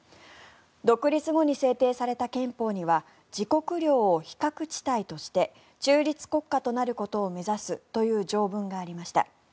独立後に制定された憲法には自国領を非核地帯として中立国家となることを目指すといった条文がありました。